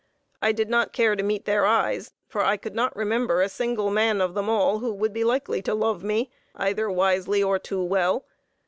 I did not care to meet their eyes, for I could not remember a single man of them all who would be likely to love me, either wisely or too well.